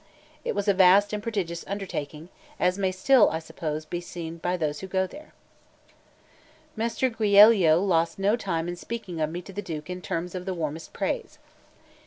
It was a vast and prodigious undertaking, as may still, I suppose, be seen by those who go there. Messer Giulio lost no time in speaking of me to the Duke in terms of the warmest praise.